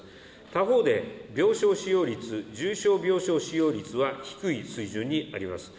他方で、病床使用率、重症病床使用率は低い水準にあります。